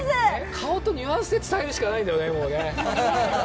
顔とニュアンスで伝えるしかないんだよね、もう。